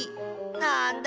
なんだ。